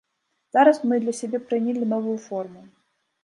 Зараз мы для сябе прынялі новую форму.